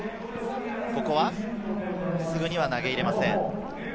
すぐには投げ入れません。